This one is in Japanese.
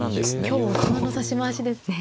今日大人の指し回しですね。